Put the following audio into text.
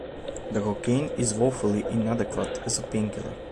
The cocaine is woefully inadequate as a pain killer.